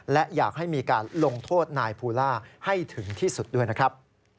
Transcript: และอยากให้มีการลงโทษนายภูล่าให้ถึงที่สุดด้วยนะครับ